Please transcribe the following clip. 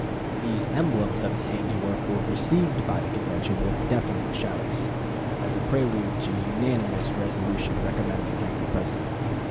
These emblems of his handiwork were received by the convention with deafening shouts, as a prelude to a unanimous resolution recommending him for President.